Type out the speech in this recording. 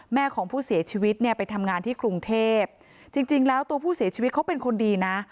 แม่ของผู้เสียชีวิตเนี่ยไปทำงานที่กรุงเทพจริงจริงแล้วตัวผู้เสียชีวิตเขาเป็นคนดีนะ